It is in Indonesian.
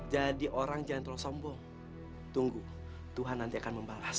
jadi orang jangan terlalu sombong tunggu tuhan nanti akan membalas